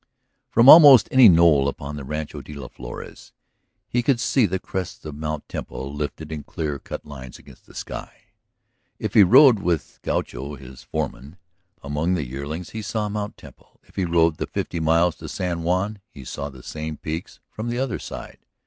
From almost any knoll upon the Rancho de las Flores he could see the crests of Mt. Temple lifted in clear cut lines against the sky. If he rode with Gaucho, his foreman, among the yearlings, he saw Mt. Temple; if he rode the fifty miles to San Juan he saw the same peaks from the other side.